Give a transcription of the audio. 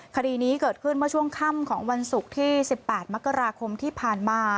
คดีนี้เกิดขึ้นเมื่อช่วงค่ำของวันศุกร์ที่๑๘มกราคมที่ผ่านมา